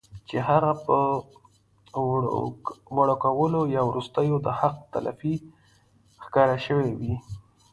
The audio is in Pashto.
چې هغه پۀ وړوکوالي يا وروستو د حق تلفۍ ښکار شوي وي